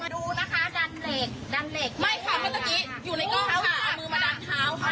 ดูนะคะดันเหล็กดันเหล็ก